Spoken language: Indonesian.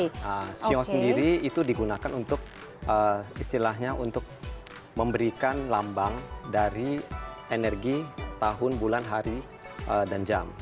nah sio sendiri itu digunakan untuk istilahnya untuk memberikan lambang dari energi tahun bulan hari dan jam